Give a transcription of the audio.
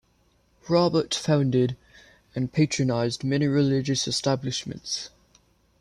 Robert founded and patronised many religious establishments.